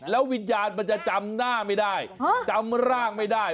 แล้ววิญญาณมันจะจำหน้าไม่ได้จำร่างไม่ได้